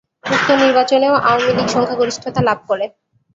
উক্ত নির্বাচনেও আওয়ামী লীগ সংখ্যাগরিষ্ঠতা লাভ করে।